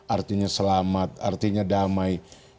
artinya selamat artinya damai